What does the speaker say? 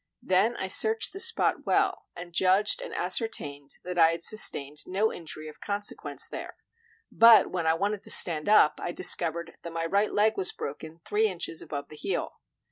Then I searched the spot well, and judged and ascertained that I had sustained no injury of consequence there; but when I wanted to stand up, I discovered that my right leg was broken three inches above the heel.